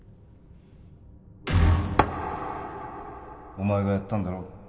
お前がやったんだろ？